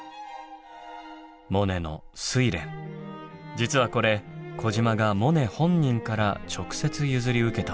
実はこれ児島がモネ本人から直接譲り受けたもの。